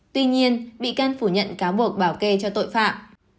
tuy nhiên bị can phủ nhận cáo buộc bảo kê cho tội phạm